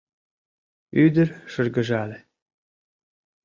Ӱдыр шыргыжале.